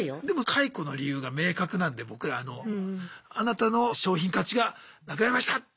でも解雇の理由が明確なんで僕らあのあなたの商品価値がなくなりました！